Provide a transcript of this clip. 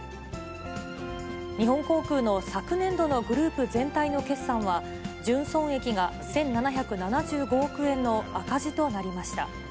日本航空の昨年度のグループ全体の決算は、純損益が１７７５億円の赤字となりました。